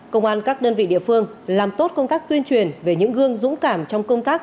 công an các đơn vị địa phương làm tốt công tác tuyên truyền về những gương dũng cảm trong công tác